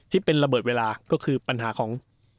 ที่เป็นระเบิดเวลาก็คือปัญหาของ